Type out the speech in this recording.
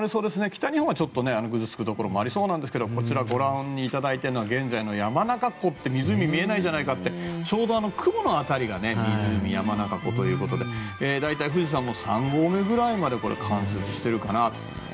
北日本はちょっとぐずつくところもありそうですがこちらご覧いただいているのは現在の山中湖って湖見えないじゃないかってちょうど雲の辺りが湖、山中湖ということで大体、富士山も三合目ぐらいまで冠雪しているかなと。